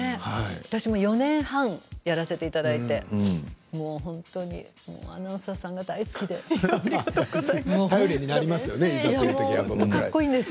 私も４年半やらせていただいて本当にアナウンサーさんがありがとうございます。